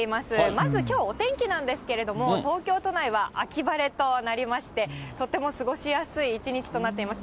まずきょう、お天気なんですけれども、東京都内は秋晴れとなりまして、とても過ごしやすい一日となっています。